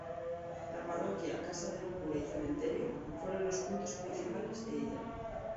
La parroquia, casa del cura y cementerio, fueron los puntos principales de ella.